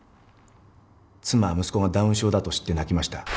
妻は息子がダウン症だと知って泣きました